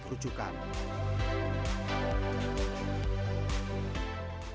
ketika anggota komunitas memeriksakan hewan terlantar ke kawasan